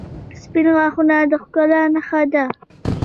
• سپین غاښونه د ښکلا نښه ده.